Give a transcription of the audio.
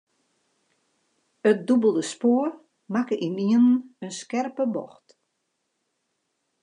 It dûbelde spoar makke ynienen in skerpe bocht.